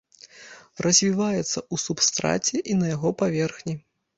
Развіваецца ў субстраце і на яго паверхні.